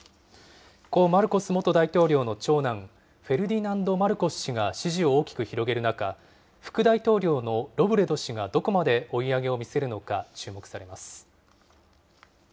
故・マルコス元大統領の長男、フェルディナンド・マルコス氏が支持を大きく広げる中、副大統領のロブレド氏がどこまで追い上げを見せるのか注目されます。